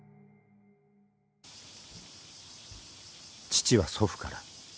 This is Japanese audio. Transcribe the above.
［父は祖父から。